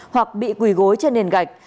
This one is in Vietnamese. hoặc bị quỳ gối trên nền gạch